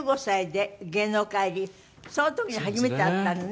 その時に初めて会ったのね。